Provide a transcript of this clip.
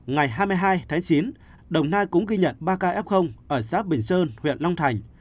ngày hai mươi hai tháng chín đồng nai cũng ghi nhận ba ca f ở xã bình sơn huyện long thành